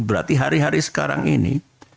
berarti hari hari sekarang ini